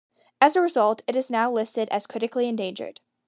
As a result it is now listed as critically endangered.